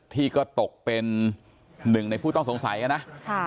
ที่ก็ตกเป็นหนึ่งในผู้ต้องสงสัยนะ